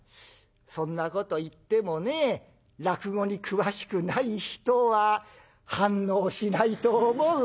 そんなこと言ってもね落語に詳しくない人は反応しないと思うよ」。